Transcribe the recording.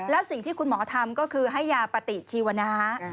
แล้วสิ่งที่คุณหมอทำก็คือให้ยาปฏิชีวนะ